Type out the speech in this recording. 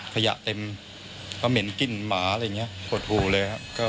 ขยะเต็มก็เหม็นกลิ่นหมาอะไรอย่างนี้หดหูเลยครับ